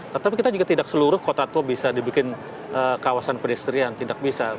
tetapi kita juga tidak seluruh kota tua bisa dibikin kawasan pedestrian tidak bisa